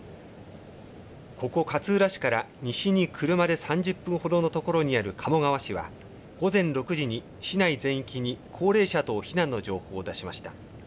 ここ、勝浦市から西に車で３０分ほどの所にある鴨川市は、午前６時に市内全域に高齢者等避難の情報を出しました。